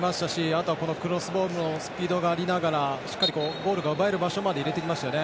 あと、クロスボールもスピードがありながらしっかりゴールが奪える場所まで入れてきましたね。